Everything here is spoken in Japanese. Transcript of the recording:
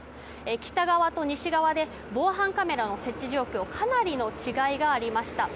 北側と西側で、防犯カメラの設置状況にかなりの違いがありました。